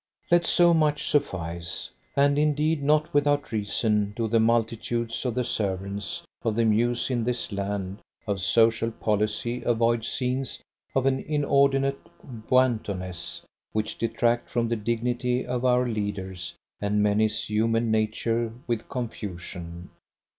Let so much suffice. And indeed not without reason do the multitudes of the servants of the Muse in this land of social policy avoid scenes of an inordinate wantonness, which detract from the dignity of our leaders and menace human nature with confusion.